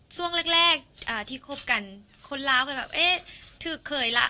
ส่วนแรกแรกอ่าที่คบกันคนราวก็แบบเอ๊ะถือเคยล่ะ